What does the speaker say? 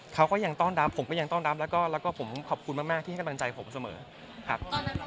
เขาก็ยังต้อนรับผมก็ยังต้อนรับแล้วก็ผมขอบคุณมากที่ให้กำลังใจผมเสมอครับ